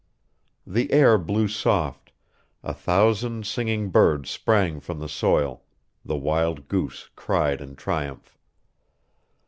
The air blew soft, a thousand singing birds sprang from the soil, the wild goose cried in triumph.